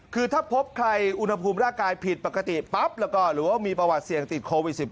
คือถ้าพบใครอุณหภูมิร่างกายผิดปกติปั๊บแล้วก็หรือว่ามีประวัติเสี่ยงติดโควิด๑๙